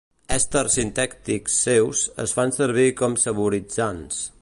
Èsters sintètics seus es fan servir com saboritzants.